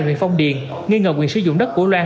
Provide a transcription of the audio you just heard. huyện phong điền nghi ngờ quyền sử dụng đất của loan